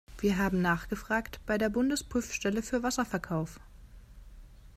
Wir haben nachgefragt bei der Bundesprüfstelle für Wasserverkauf.